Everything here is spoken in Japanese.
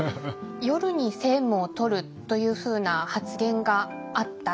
夜に政務をとるというふうな発言があった。